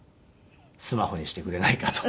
「スマホにしてくれないか？」と。